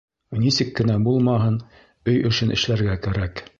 Нисек кенә булмаһын, өй эшен эшләргә кәрәк